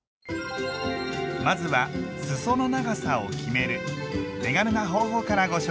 まずはすその長さを決める手軽な方法からご紹介します。